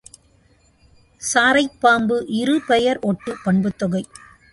சாரைப் பாம்பு இரு பெயர் ஒட்டுப் பண்புத்தொகை.